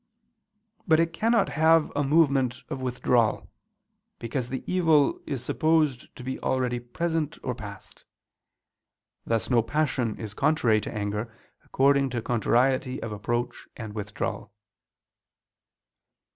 _ But it cannot have a movement of withdrawal: because the evil is supposed to be already present or past. Thus no passion is contrary to anger according to contrariety of approach and withdrawal.